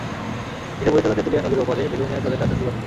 ধীরে বয়ে চলা তেঁতুলিয়া নদীর ওপারে ভেলুমিয়া চরে তার শ্বশুর বাড়ি।